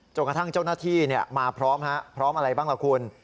กระทั่งเจ้าหน้าที่มาพร้อมพร้อมอะไรบ้างล่ะคุณ